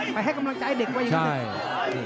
ไปให้กำลังจ่ายเด็กไว้อย่างนี้